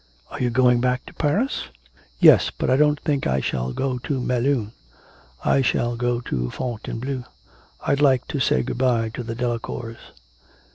'Are you going back to Paris?' 'Yes, but I don't think I shall go to Melun, I shall go to Fontainebleau. I'd like to say good bye to the Delacours.'